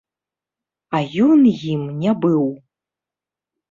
А ён ім не быў.